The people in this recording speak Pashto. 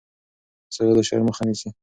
سزا د شر مخه نیسي